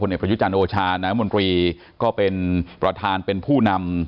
ผู้เนี่ยพระยุทธจันทร์โอชาน้ำมนตรีก็เป็นประธานเป็นผู้นำ